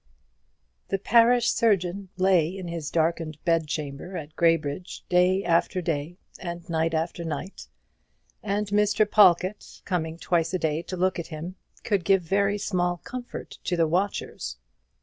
The parish surgeon lay in his darkened bedchamber at Graybridge day after day and night after night, and Mr. Pawlkatt, coming twice a day to look at him, could give very small comfort to the watchers.